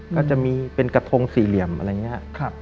ก็จะมีเป็นกระทงสี่เหลี่ยมอะไรอย่างนี้ครับ